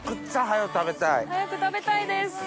早く食べたいです！